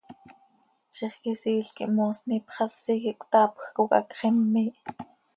Zixquisiil quih moosni ipxasi quih cötaapj, cooc hacx immiih.